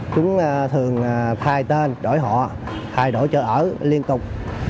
chúng thường thay tên đổi họ thay đổi chợ ở liên tục